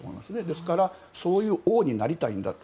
ですからそういう王になりたいんだと。